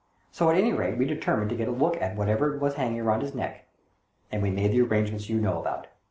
"So at any rate we determined to get a look at whatever it was hanging round his neck, and we made the arrangements you know about.